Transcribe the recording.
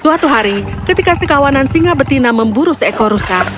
suatu hari ketika sekawanan singa betina memburu seekor rusa